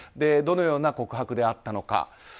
どのような告白であったのか。